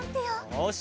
よし。